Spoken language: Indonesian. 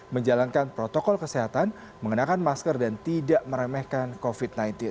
menjalankan protokol kesehatan mengenakan masker dan tidak meremehkan covid sembilan belas